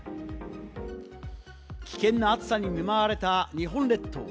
危険な暑さに見舞われた日本列島。